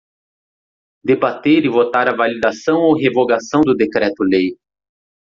Debater e votar a validação ou revogação do decreto-lei.